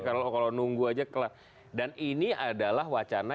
kalau nunggu aja dan ini adalah wacana